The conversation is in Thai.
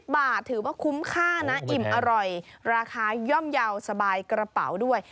บาทถือว่าคุ้มค่านะอิ่มอร่อยราคาย่อมเยาว์สบายกระเป๋าด้วย